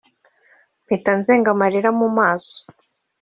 mpita nzenga amarira mu maso